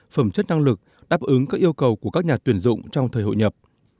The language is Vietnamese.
phẩm chất năng lực đáp ứng các yêu cầu của các nhà tuyển dụng trong thời hội nhập